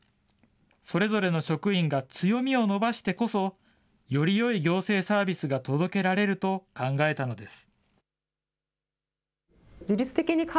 それぞれの職員が強みを伸ばしてこそ、よりよい行政サービスが届けられると考えたのです。